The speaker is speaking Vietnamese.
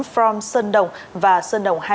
from sơn đồng và sơn đồng hai mươi bốn h